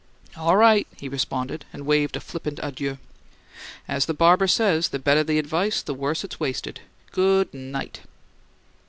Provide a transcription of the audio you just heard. "All right," he responded and waved a flippant adieu. "As the barber says, 'The better the advice, the worse it's wasted!' Good night!"